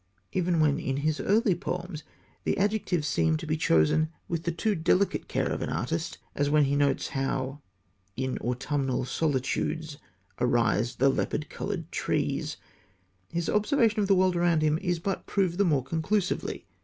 Even when in his early poems the adjectives seem to be chosen with the too delicate care of an artist, as when he notes how in autumnal solitudes Arise the leopard coloured trees, his observation of the world about him is but proved the more conclusively.